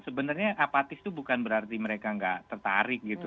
sebenarnya apatis itu bukan berarti mereka nggak tertarik gitu